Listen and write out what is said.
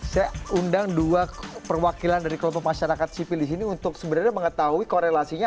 saya undang dua perwakilan dari kelompok masyarakat sivil disini untuk sebenarnya mengetahui korelasinya